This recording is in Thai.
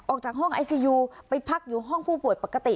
ออกจากห้องไอซียูไปพักอยู่ห้องผู้ป่วยปกติ